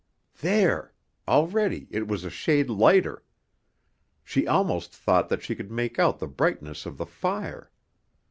There already it was a shade lighter! She almost thought that she could make out the brightness of the fire.